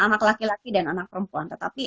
anak laki laki dan anak perempuan tetapi